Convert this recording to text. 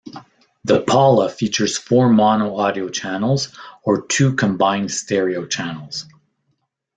The Paula features four mono audio channels, or two combined stereo channels.